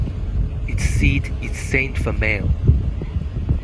Its seat is Sainte-Famille.